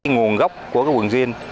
nguồn gốc của quần jean